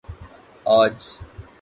آج